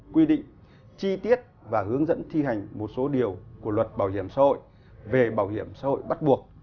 quy định chi tiết và hướng dẫn thi hành một số điều của luật bảo hiểm xã hội về bảo hiểm xã hội bắt buộc